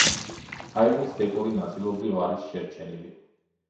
აივნის დეკორი ნაწილობრივ არის შერჩენილი.